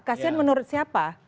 kasian menurut siapa